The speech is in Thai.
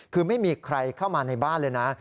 คือไม่มีใครเข้ามาในบ้านเลยนะ